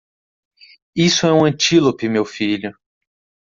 Isso é um antílope meu filho.